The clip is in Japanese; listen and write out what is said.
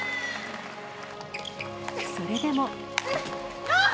それでも。